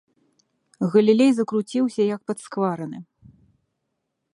Галілей закруціўся, як падсквараны.